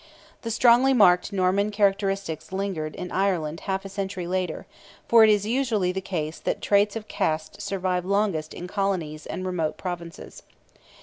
The strongly marked Norman characteristics lingered in Ireland half a century later, for it is usually the case that traits of caste survive longest in colonies and remote provinces.